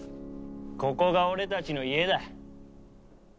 ここが俺たちの家だ。